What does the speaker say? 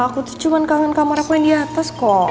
aku tuh cuma kangen kamar aku yang di atas kok